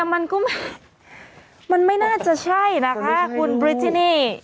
มันมันน่าจะใช่นะคะคุณบริจินี่